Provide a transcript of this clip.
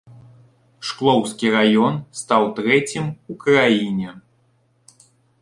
Шклоўскі раён стаў трэцім у краіне.